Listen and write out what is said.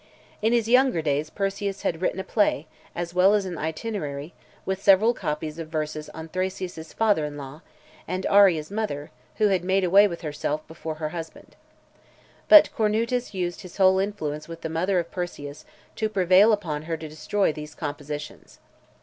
In his younger days, Persius had written a play, as well as an Itinerary, with several copies of verses on Thraseas' father in law, and Arria's mother, who had made away with herself before her husband. But Cornutus used his whole influence with the mother of Persius to prevail upon her to destroy these compositions.